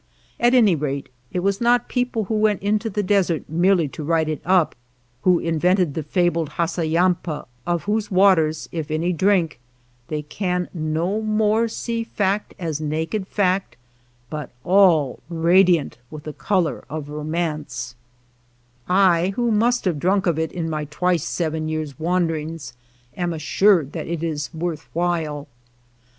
At any rate, it was not people who went into the desert merely to write it up who invented the fabled Hassaympa, of whose waters, if any drink, they can no more see fact as naked fact, but all radiant with the color of romance. 20 THE LAND OF LITTLE RAIN I, who must have drunk of it in my twice seven years' wanderings, am assured that it is worth while.